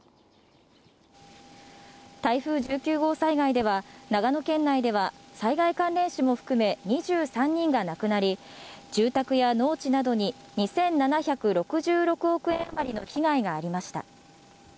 台風１９号災害では、長野県内では、災害関連死も含め２３人が亡くなり、住宅や農地などに２７６６億円余りの被害がありました。